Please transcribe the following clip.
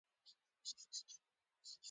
زړه د خوږې یاد نغمه ده.